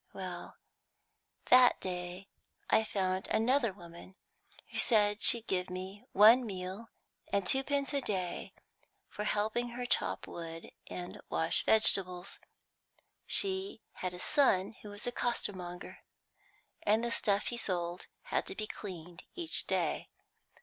Well, that day I found another woman who said she'd give me one meal and twopence a day for helping her to chop wood and wash vegetables; she had a son who was a costermonger, and the stuff he sold had to be cleaned each day.